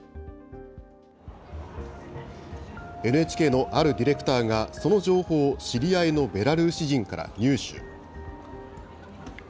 ＮＨＫのあるディレクターが、その情報を知り合いのベラルーシ人から入手。